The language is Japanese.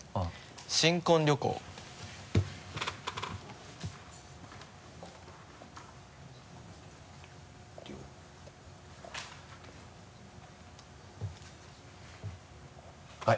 「新婚旅行」はい。